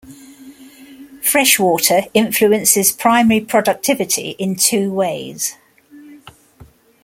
Freshwater influences primary productivity in two ways.